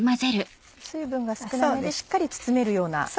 水分が少なめでしっかり包めるような。